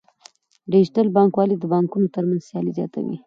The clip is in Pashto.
ډیجیټل بانکوالي د بانکونو ترمنځ سیالي زیاتوي.